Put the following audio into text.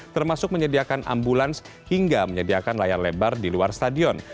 termasuk menyediakan ambulans hingga menyediakan layar lebar di luar stadion